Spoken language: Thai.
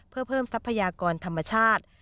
เพื่อเพิ่มทรัพยากรธรรมชาติ